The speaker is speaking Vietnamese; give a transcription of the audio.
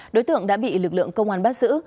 đối tượng đã bị lực lượng công an bắt giữ